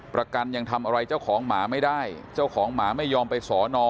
ประกันยังทำอะไรเจ้าของหมาไม่ได้เจ้าของหมาไม่ยอมไปสอนอ